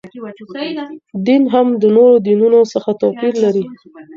دین هم د نورو دینونو څخه توپیر لري.